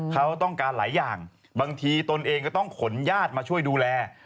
เขาต้องการหลายอย่างบางทีตนเองก็ต้องขนญาติมาช่วยดูแล